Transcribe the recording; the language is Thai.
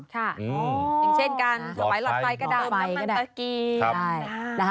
ใช่ค่ะอย่างเช่นกันหลอดไฟก็ได้ลงน้ำมันตะกี้ใช่ค่ะอ๋อ